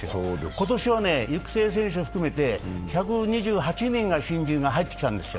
今年は育成選手を含めて１２８人の新人が入ってきたんですよ。